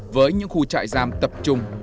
với những khu trại giam tập trung